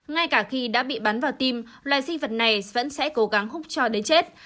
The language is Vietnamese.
ngay cả khi đã bị bắn vào tim loài sinh vật này vẫn sẽ cố gắng hút cho đến chết